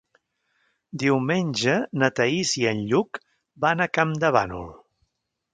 Diumenge na Thaís i en Lluc van a Campdevànol.